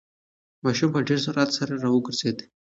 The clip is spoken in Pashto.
ماشوم په ډېر سرعت سره راوگرځېد.